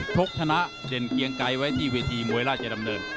ชกชนะเด่นเกียงไกรไว้ที่เวทีมวยราชดำเนิน